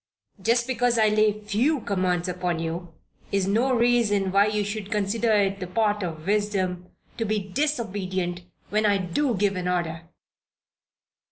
Just because I lay few commands upon you, is no reason why you should consider it the part of wisdom to be disobedient when I do give an order."